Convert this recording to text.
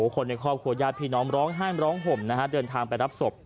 คนในครอบครัวญาติพี่น้องร้องไห้ร้องห่มนะฮะเดินทางไปรับศพ